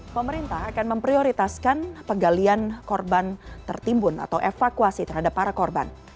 pemerintah akan memprioritaskan penggalian korban tertimbun atau evakuasi terhadap para korban